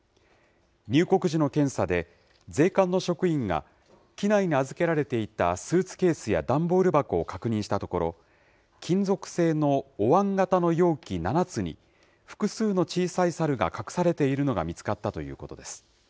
入国時の検査で、税関の職員が、機内に預けられていたスーツケースや段ボール箱を確認したところ、金属製のおわん形の容器７つに、複数の小さい猿が隠されているのが見つかったということです。